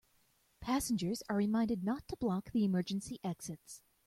Passengers are reminded not to block the emergency exits.